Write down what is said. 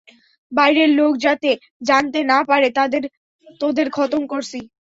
বাইরের লোক যাতে জানতে না পারে তোদের খতম করছি।